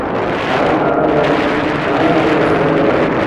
هآريٚ پآڻي رو کرچ ڪوندو ڀري